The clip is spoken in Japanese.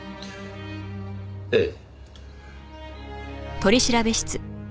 ええ。